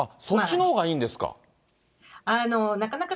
そっちのほうがいいんですか。